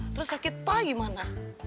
terus sakit pak gimana